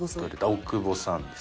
大久保さん？